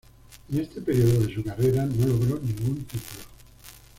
En este período de su carrera no logró ningún título.